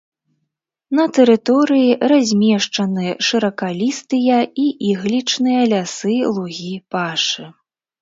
На тэрыторыі размешчаны шыракалістыя і іглічныя лясы, лугі, пашы.